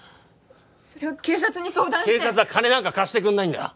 それは警察に相談して警察は金なんか貸してくんないんだよ